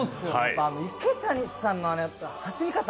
池谷さんの走り方。